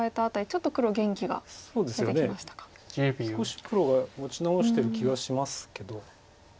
少し黒が持ち直してる気がしますけど。